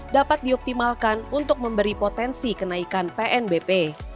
dapat dioptimalkan untuk memberi potensi kenaikan pnbp